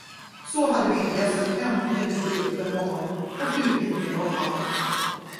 Så hade vildgässen äntligen brutit upp en morgon och flugit neråt Halland.